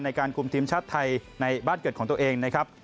ในการคุมทีมชาติไทยในบ้านเกิดของตัวเองนะครับ